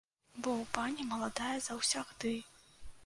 Бо ў пані маладая заўсягды.